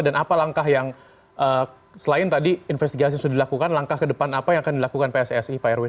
dan apa langkah yang selain tadi investigasi sudah dilakukan langkah ke depan apa yang akan dilakukan pssi pak erwin